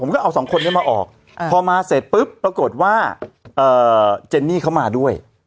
ก็เอาสองคนนี้มาออกพอมาเสร็จปุ๊บปรากฏว่าเจนนี่เขามาด้วย